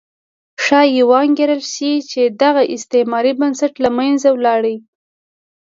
ښایي وانګېرل شي چې دغه استعماري بنسټ له منځه لاړ.